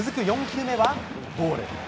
４球目はボール。